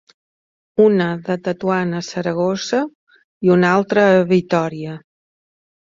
Una de Tetuan a Saragossa, i un altre a Vitòria.